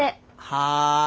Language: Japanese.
はい。